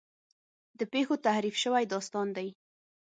د پېښو تحریف شوی داستان دی.